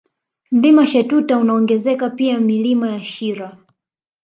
Mlima Shetuta inaongezeka pia Milima ya Shira